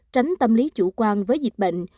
tránh tâm lý chủ quan với dịch bệnh